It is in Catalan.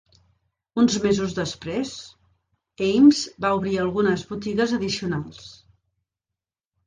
Uns mesos després, Ames va obrir algunes botiges addicionals.